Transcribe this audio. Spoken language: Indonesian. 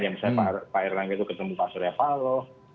misalnya pak erlangga itu ketemu pak surya pahalo